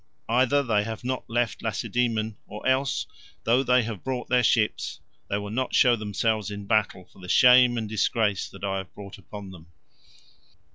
Either they have not left Lacedaemon, or else, though they have brought their ships, they will not show themselves in battle for the shame and disgrace that I have brought upon them."